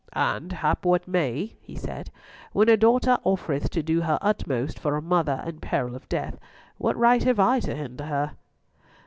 "And hap what may," he said, "when a daughter offereth to do her utmost for a mother in peril of death, what right have I to hinder her?"